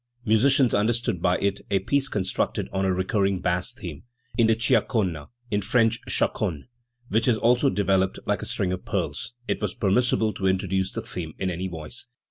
Musicians understood by it a piece constructed on a recurring bass theme; in the cia cona in French chaconne which is also developed like a string of pearls, it was permissible to introduce the theme in any voice.